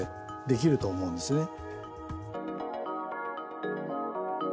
できると思うんですね。